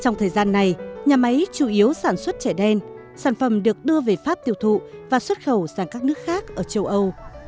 trong thời gian này nhà máy chủ yếu sản xuất trẻ đen sản phẩm được đưa về pháp tiêu thụ và xuất khẩu sang các nước khác ở châu âu